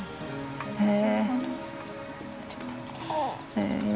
へえ。